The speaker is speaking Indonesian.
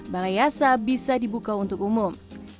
balai yasa bisa dibuka untuk umum